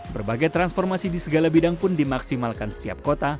berbagai transformasi di segala bidang pun dimaksimalkan setiap kota